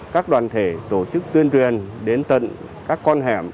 các đoàn thể tổ chức tuyên truyền đến tận các con hẻm